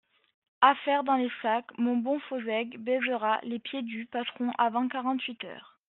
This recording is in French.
Affaire dans le sac, mon bon Fonsègue baisera les pieds du patron avant quarante-huit heures.